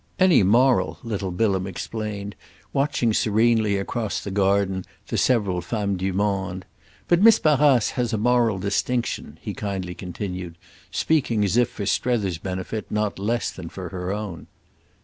"Any moral," little Bilham explained, watching serenely, across the garden, the several femmes du monde. "But Miss Barrace has a moral distinction," he kindly continued; speaking as if for Strether's benefit not less than for her own.